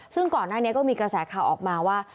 ซึ่งก่อนหน้านี้ก็มีกระแสข่าวออกมาว่า